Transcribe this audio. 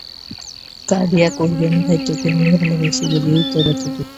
কাঁদিয়া কহিলেন, ভাই, তোকে আমি ভালোবাসি বলিয়াই তোর এত দুঃখ।